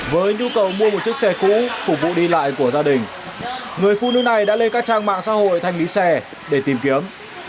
với nhu cầu mua một chiếc xe cũ phục vụ đi lại của gia đình người phụ nữ này đã lên các trang mạng xã hội thanh lý xe để tìm kiếm